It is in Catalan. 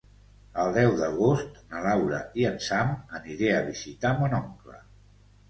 El deu d'agost na Laura i en Sam aniré a visitar mon oncle.